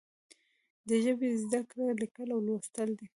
د ژبې زده کړه لیکل او لوستل دي.